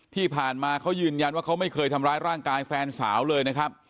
ที่ผ่านมาเขายืนยันว่าเขาไม่เคยทำร้ายร่างกายแฟนสาวเลยนะครับ